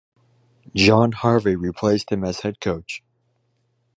John Harvey replaced him as head coach.